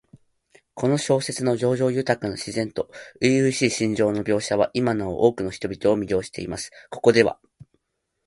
この小説の叙情豊かな自然と初々しい心情の描写は、今なお多くの人々を魅了しています。ここでは、